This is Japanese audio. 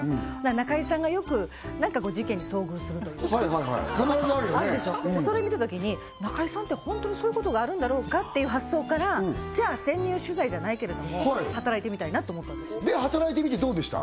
仲居さんがよく何かこう事件に遭遇するというかはいはいはい必ずあるよねあるでしょそれ見たときに仲居さんって本当にそういうことがあるんだろうか？っていう発想からじゃあ潜入取材じゃないけれども働いてみたいなと思ったんですで働いてみてどうでした？